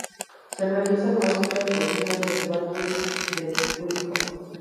Se realizan muestras de vinos del Valle de Curicó.